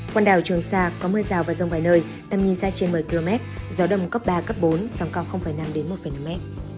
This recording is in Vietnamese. quần đảo trường sa có mưa rào và rông vài nơi tầm nhìn xa trên một mươi km gió đông cấp ba cấp bốn sóng cao năm một năm m